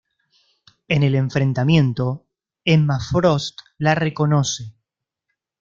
En el enfrentamiento, Emma Frost la reconoce.